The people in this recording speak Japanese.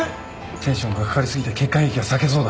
テンションがかかりすぎて血管壁が裂けそうだ。